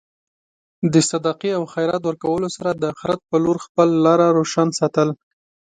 د صدقې او خیرات ورکولو سره د اخرت په لور خپل لاره روشن ساتل.